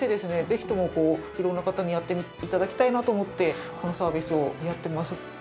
ぜひとも色んな方にやって頂きたいなと思ってこのサービスをやってます。